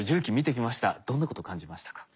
どんなこと感じましたか？